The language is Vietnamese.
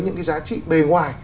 những cái giá trị bề ngoài